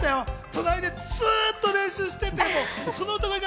隣でずっと練習してるのよ。